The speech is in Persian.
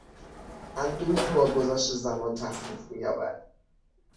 اندوه با گذشت زمان تخفیف مییابد.